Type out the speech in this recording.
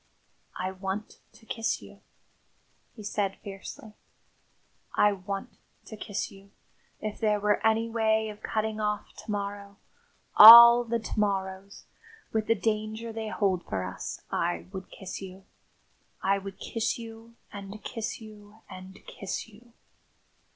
"I want to kiss you," he said fiercely. "I want to kiss you. If there were any way of cutting off to morrow all the to morrows with the danger they hold for us I would kiss you. I would kiss you, and kiss you, and kiss you!"